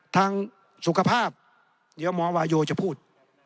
ทางสุขภาพเดี๋ยวหมอวาโยจะพูด